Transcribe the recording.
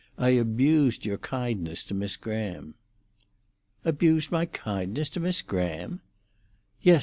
I abused your kindness to Miss Graham." "Abused my kindness to Miss Graham?" "Yes.